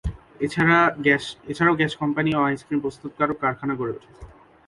এছাড়াও gas company ও ice cream প্রস্তুতকারক কারখানা গড়ে উঠেছে।